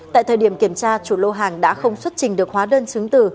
tại thời điểm kiểm tra chủ lô hàng đã không xuất trình được hóa đơn xứng tử